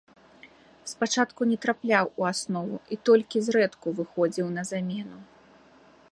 Спачатку не трапляў у аснову і толькі зрэдку выхадзіў на замену.